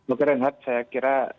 oke renhat saya kira